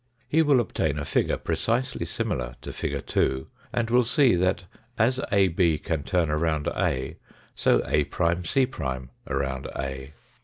He will obtain a figure precisely similar to Fig. 2, and will see that, as AB can turn around A, so A'(f around A.